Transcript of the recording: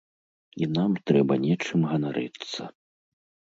І нам трэба нечым ганарыцца.